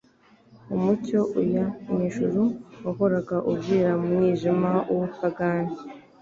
Umucyo uya mu ijuru wahoraga uvira mu mwijima w'ubupagani.